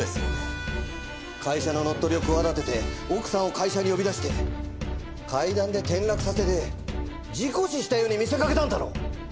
会社の乗っ取りを企てて奥さんを会社に呼び出して階段で転落させて事故死したように見せかけたんだろう？